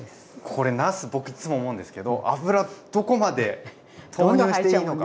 これなす僕いつも思うんですけど油どこまで投入していいのか。